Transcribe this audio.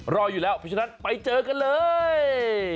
รออยู่แล้วเพราะฉะนั้นไปเจอกันเลย